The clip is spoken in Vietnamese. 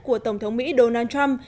của tổng thống mỹ donald trump